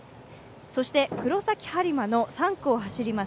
そして、黒崎播磨の３区を走ります